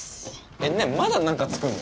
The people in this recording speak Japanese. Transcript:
えっ何まだ何か作んの？